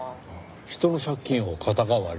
人の借金を肩代わり？